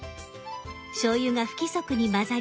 しょうゆが不規則に混ざり